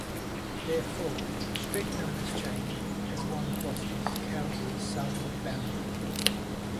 Therefore, street numbers change as one crosses Calgary's southern boundary.